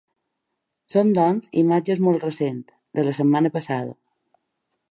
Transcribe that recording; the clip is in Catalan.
Són doncs, imatges molt recents, de la setmana passada.